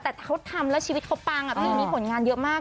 แต่เธอทำแล้วชีวิตเค้าปังอะมีผลงานเยอะมากเนอะ